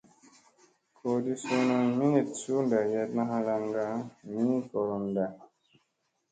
Goodi suuna miniɗ su ɗaryaɗna halaŋga ni gooron da.